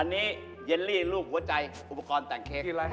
อันนี้เยลลี่ลูกหัวใจอุปกรณ์แต่งเค้ก